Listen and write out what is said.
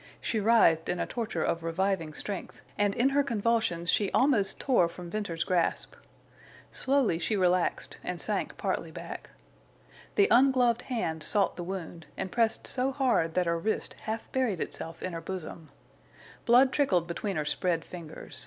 She writhed in a torture of reviving strength, and in her convulsions she almost tore from Ventner's grasp. Slowly she relaxed and sank partly back. The ungloved hand sought the wound, and pressed so hard that her wrist half buried itself in her bosom. Blood trickled between her spread fingers.